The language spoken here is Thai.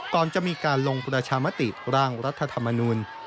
ก่อนจะมีการลงประชามติร่างรัฐธรรมนูล